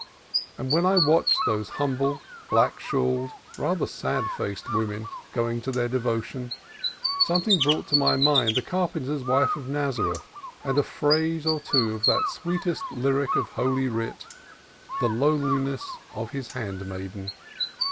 And when I watched these humble, black shawled, rather sad faced women going to their devotions, something brought to my mind the car penter's wife of Nazareth, and a phrase or two of that sweetest lyric of Holy Writ — "the lowliness of His handmaiden